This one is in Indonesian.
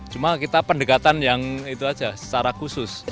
cuma kita pendekatan yang itu aja secara khusus